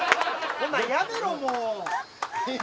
ほな、やめろもう！